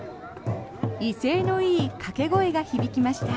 威勢のいい掛け声が響きました。